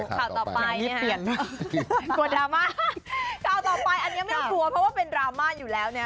ข่าวต่อไปครับค่ะรุ่นดราม่าครับข่าวต่อไปอันเนี้ยอย่ากลัวเพราะว่าเป็นราม่าอยู่แล้วเนี่ย